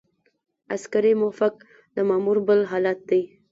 عسکري موقف د مامور بل حالت دی.